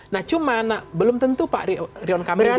nah cuma belum tentu pak rion kamil